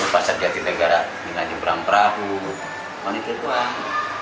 pasar diantipan gara gara diberang berang pun itu doang